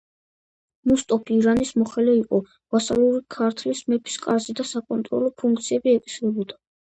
მუსტოფი ირანის მოხელე იყო ვასალური ქართლის მეფის კარზე და საკონტროლო ფუნქციები ეკისრებოდა.